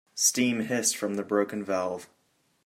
Steam hissed from the broken valve.